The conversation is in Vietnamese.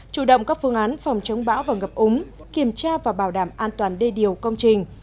chủ động các phương án phòng chống bão và ngập úng kiểm tra và bảo đảm an toàn đê điều công trình